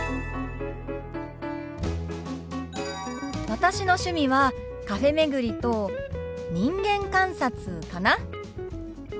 私の趣味はカフェ巡りと人間観察かな。